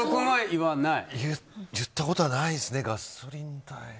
言ったことないですねガソリン代。